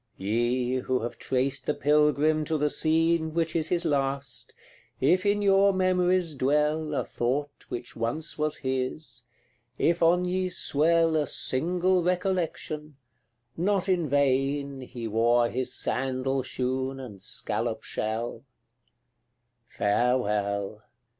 Ye, who have traced the Pilgrim to the scene Which is his last, if in your memories dwell A thought which once was his, if on ye swell A single recollection, not in vain He wore his sandal shoon and scallop shell; Farewell!